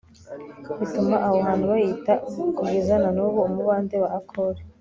bituma aho hantu bahita kugeza na n'ubu umubande wa akori